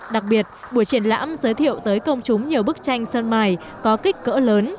đặc biệt buổi triển lãm giới thiệu tới công chúng nhiều bức tranh sơn mài có kích cỡ lớn